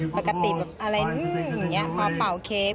ปกติแบบอะไรแบบพอเป่าเก๊ะ